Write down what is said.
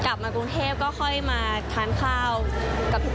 กลับมากรุงเทพฯก็มาทานข้าวกับพี่ต้น